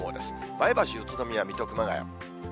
前橋、宇都宮、水戸、熊谷。